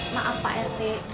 maaf pak rt